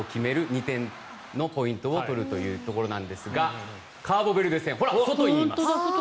２点のポイントを取るというところなんですがカーボベルデ戦ほら、外にいます。